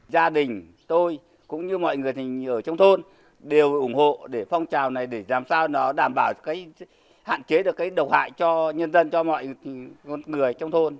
gia đình tôi cũng như mọi người ở trong thôn đều ủng hộ để phong trào này để làm sao đảm bảo hạn chế được cái độc hại cho nhân dân cho mọi người trong thôn